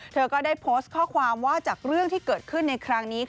เธอก็ได้โพสต์ข้อความว่าจากเรื่องที่เกิดขึ้นในครั้งนี้